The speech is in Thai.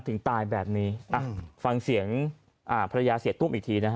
ถึงตายแบบนี้ฟังเสียงภรรยาเสียตุ้มอีกทีนะฮะ